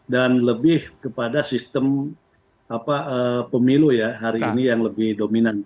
dan lebih kepada sistem pemilu ya hari ini yang lebih dominan